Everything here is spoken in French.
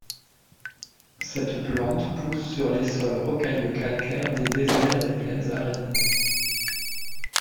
Cette plante pousse sur les sols rocailleux calcaires des déserts et plaines arides.